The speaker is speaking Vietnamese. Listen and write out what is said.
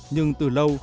nhưng từ lâu